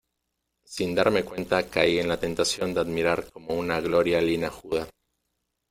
sin darme cuenta caí en la tentación de admirar como una gloria linajuda,